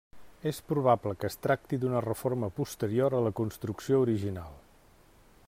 És probable que es tracti d'una reforma posterior a la construcció original.